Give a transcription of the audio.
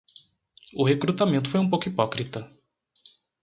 O recrutamento foi um pouco hipócrita